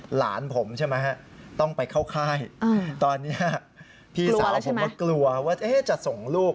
หลานผมใช่ไหมฮะต้องไปเข้าค่ายตอนนี้พี่สาวผมก็กลัวว่าจะส่งลูก